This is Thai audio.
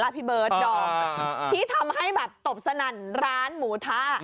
พี่เบิร์ดดอมที่ทำให้แบบตบสนั่นร้านหมูทะ